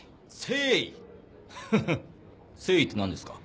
誠意って何ですか？